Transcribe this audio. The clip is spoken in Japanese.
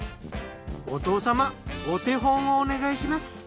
お父様お手本をお願いします。